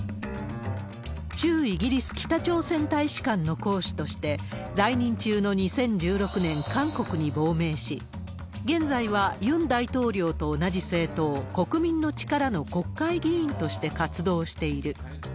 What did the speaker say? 駐イギリス北朝鮮大使館の公使として、在任中の２０１６年、韓国に亡命し、現在はユン大統領と同じ政党、国民の力の国会議員として活動している。